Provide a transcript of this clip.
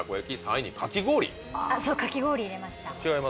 そうかき氷入れました。